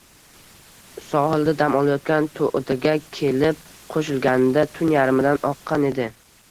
sohilda dam olayotgan To‘daga kelib qo‘shilganida tun yarmidan oqqan edi.